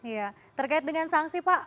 ya terkait dengan sanksi pak